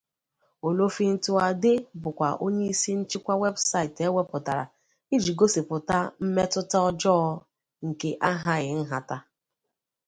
Olofintuade bụkwa onye isi nchịkwa webụsaịtị ewepụtara iji gosipụta mmetụta ọjọọ nke ahaghị nhata.